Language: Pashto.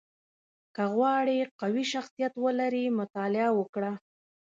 • که غواړې قوي شخصیت ولرې، مطالعه وکړه.